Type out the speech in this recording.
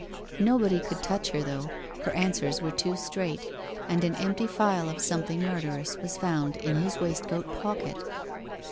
No body could touch her, though, her answers were too straight, and an empty phial of something murderous was found in his waistcoat pocket.